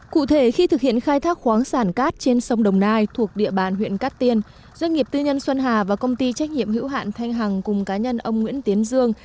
cụ thể khi thực hiện khai thác khoáng sản cát trên sông đồng nai thuộc địa bàn huyện cát tiên doanh nghiệp tư nhân xuân hà và công ty trách nhiệm hữu hạn thanh hằng cùng cá nhân ông nguyễn tiến dương